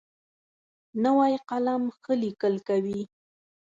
نوی قلم ښه لیکل کوي